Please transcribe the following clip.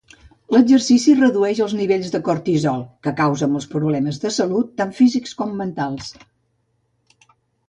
L'exercici redueix els nivells de cortisol, que causa molts problemes de salut, tant físics com mentals.